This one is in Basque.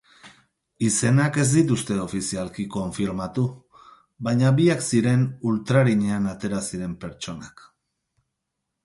Izenak ez dituzte ofizialki konfirmatu, baina biak ziren ultrarinean atera ziren pertsonak.